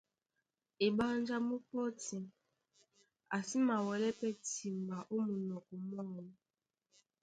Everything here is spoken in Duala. Eɓánjá mú pɔ́ti, a sí mawɛlɛ́ pɛ́ timba ó munɔkɔ mwáō,